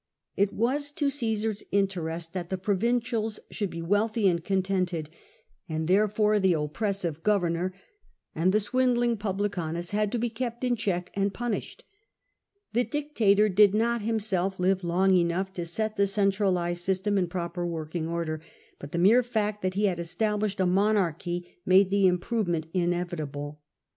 It was to Caesar's interest that the provincials should be wealthy and contented, and therefore the oppresive governor and the swindling pvhlieanus had to be kept in check and punished. The dictator did not himself live long enough to set the centralised system in proper working, but the mere fact that he had established a monarchy made the improvement inevitable.